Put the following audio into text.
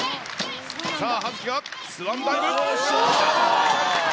さあ、葉月はスワンダイブ。